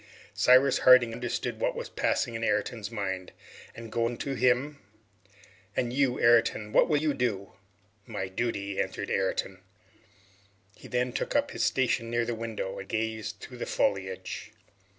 Cyrus Harding understood what was passing in Ayrton's mind, and going to him "And you, Ayrton," he asked, "what will you do?" "My duty," answered Ayrton. He then took up his station near the window and gazed through the foliage.